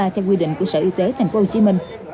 theo quy định của sở y tế tp hcm